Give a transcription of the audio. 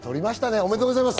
おめでとうございます。